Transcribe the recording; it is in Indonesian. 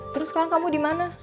terus sekarang kamu dimana